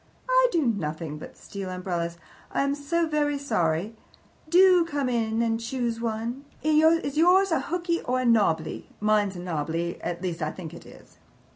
"I do nothing but steal umbrellas. I am so very sorry! Do come in and choose one. Is yours a hooky or a nobbly? Mine's a nobbly at least, I THINK it is."